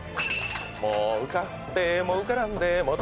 「もう受かっても受からんでも」